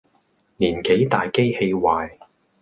年紀大機器壞